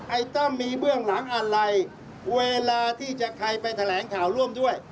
ตั้มมีเบื้องหลังอะไรเวลาที่จะใครไปแถลงข่าวร่วมด้วย